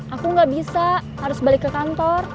aku nggak bisa harus balik ke kantor